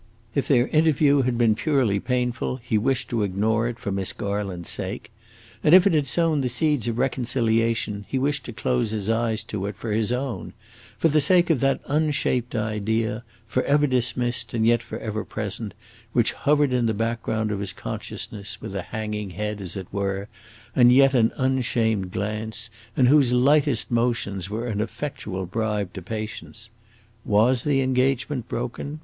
If their interview had been purely painful, he wished to ignore it for Miss Garland's sake; and if it had sown the seeds of reconciliation, he wished to close his eyes to it for his own for the sake of that unshaped idea, forever dismissed and yet forever present, which hovered in the background of his consciousness, with a hanging head, as it were, and yet an unshamed glance, and whose lightest motions were an effectual bribe to patience. Was the engagement broken?